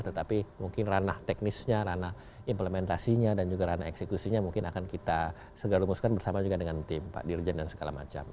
tetapi mungkin ranah teknisnya ranah implementasinya dan juga ranah eksekusinya mungkin akan kita segera rumuskan bersama juga dengan tim pak dirjen dan segala macam